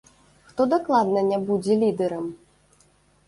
Хто дакладна не будзе лідэрам?